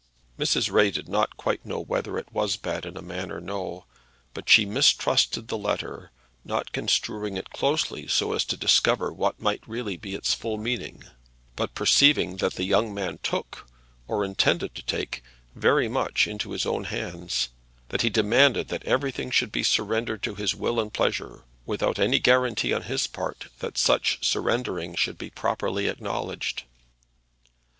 Mrs. Ray did not quite know whether it was bad in a man or no. But she mistrusted the letter, not construing it closely so as to discover what might really be its full meaning, but perceiving that the young man took, or intended to take, very much into his own hands; that he demanded that everything should be surrendered to his will and pleasure, without any guarantee on his part that such surrendering should be properly acknowledged.